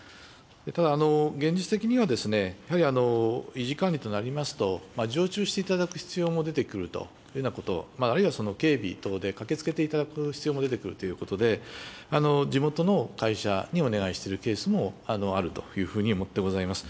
ただ、現実的には、やはり維持・管理となりますと、常駐していただく必要も出てくるというようなこと、あるいはその警備等で駆けつけていただく必要も出てくるということで、地元の会社にお願いしているケースもあるというふうに思ってございます。